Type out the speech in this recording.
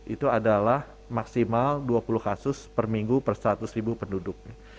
itu adalah maksimal dua puluh kasus per minggu per seratus ribu penduduknya